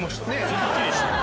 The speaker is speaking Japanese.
すっきりした。